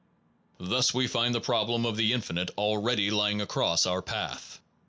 Thus we find the problem of the infinite already lying across our path.